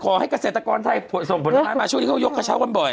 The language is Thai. เกษตรกรไทยส่งผลไม้มาช่วงนี้เขายกกระเช้ากันบ่อย